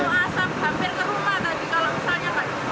tanya pak cepat lanjut pemadam kebakaran